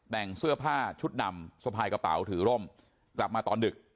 แต่งเสื้อผ้าชุดดำสะพายกระเป๋าถือร่มกลับมาตอนดึก